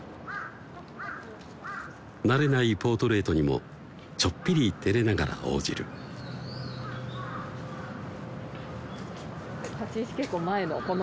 慣れないポートレートにもちょっぴりてれながら応じる立ち位置